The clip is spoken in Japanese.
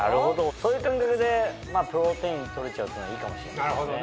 そういう感覚でプロテイン取れちゃうっていうのはいいかもしれませんね。